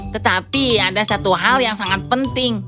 tetapi ada satu hal yang sangat penting